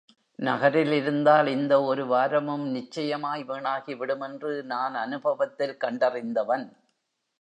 நகரில் இருந்தால் இந்த ஒரு வாரமும் நிச்சயமாய் வீணாகி விடுமென்று நான் அனுபவத்தில் கண்டறிந்தவன்.